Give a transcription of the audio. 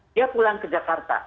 dia pulang ke jakarta